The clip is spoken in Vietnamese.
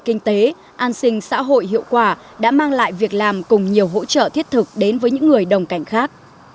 kinh tế an sinh xã hội hiệu quả đã mang lại việc làm cùng nhiều hỗ trợ thiết thực đến với những người đồng cảnh khác